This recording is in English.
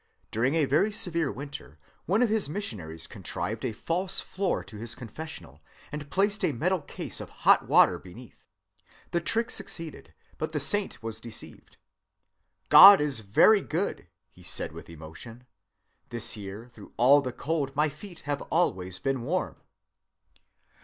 During a very severe winter, one of his missionaries contrived a false floor to his confessional and placed a metal case of hot water beneath. The trick succeeded, and the Saint was deceived: 'God is very good,' he said with emotion. 'This year, through all the cold, my feet have always been warm.